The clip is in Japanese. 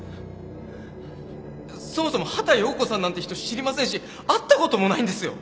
そもそも畑葉子さんなんて人知りませんし会ったこともないんですよ！？